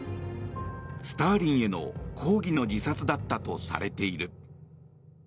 スターリンへの抗議の自殺だったとされている。